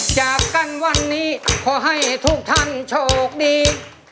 จากกันวันนี้ขอให้ทุกท่านโชคดี